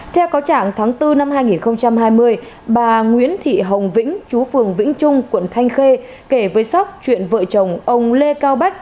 theo cáo trạng tháng bốn năm hai nghìn hai mươi bà nguyễn thị hồng vĩnh chú phường vĩnh trung quận thanh khê kể với sóc chuyện vợ chồng ông lê cao bách